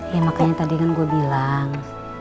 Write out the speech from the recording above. ya makanya tadi kan gue bilang